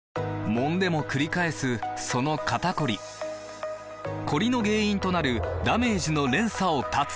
もんでもくり返すその肩こりコリの原因となるダメージの連鎖を断つ！